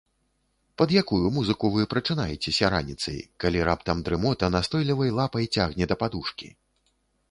Пад якую музыку вы прачынаецеся раніцай, калі раптам дрымота настойлівай лапай цягне да падушкі?